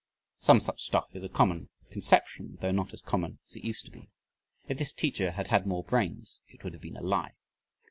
Some such stuff is a common conception, though not as common as it used to be. If this teacher had had more brains, it would have been a lie.